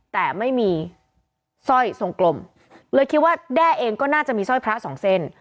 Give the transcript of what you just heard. แต่ไม่มีสร้อยทรงกลมเลยคิดว่าแด้เองก็น่าจะมีสร้อยพระสองเส้น